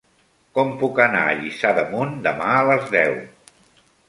Com puc anar a Lliçà d'Amunt demà a les deu?